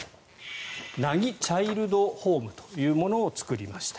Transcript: なぎチャイルドホームというものを作りました。